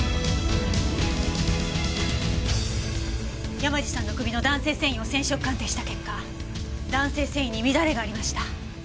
山路さんの首の弾性繊維を染色鑑定した結果弾性繊維に乱れがありました。